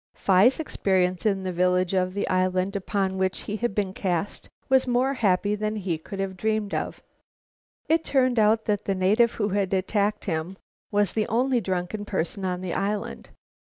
Phi's experience in the village of the island upon which he had been cast was more happy than he could have dreamed of. It turned out that the native who had attacked him was the only drunken person on the island.